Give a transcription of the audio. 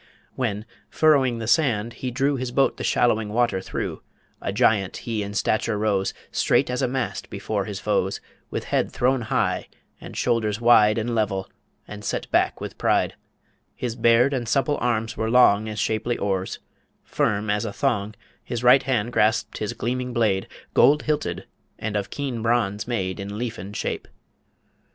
When, furrowing the sand, he drew His boat the shallowing water through, A giant he in stature rose Straight as a mast before his foes, With head thrown high, and shoulders wide And level, and set back with pride; His bared and supple arms were long As shapely oars: firm as a thong His right hand grasped his gleaming blade, Gold hilted, and of keen bronze made In leafen shape.